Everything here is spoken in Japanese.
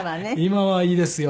今はいいですよ。